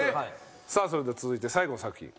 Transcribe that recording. さあそれでは続いて最後の作品。